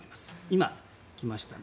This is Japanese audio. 今、来ましたね。